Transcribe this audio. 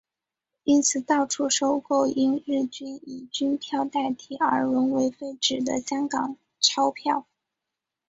因此到处收购因日军以军票代替而沦为废纸的香港钞票。